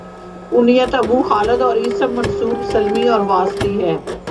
کنیت ابو خالد اور اسم منسوب سلمی اور واسطی ہے